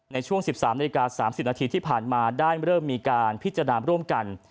ในช่วง๑๓นาฬิกา๓๐นาทีที่ผ่านมาได้เริ่มมีการพิจารณาร่วมกัน